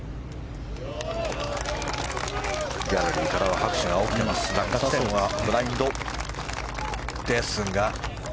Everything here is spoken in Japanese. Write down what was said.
ギャラリーからは拍手が起きていますがブラインドですが。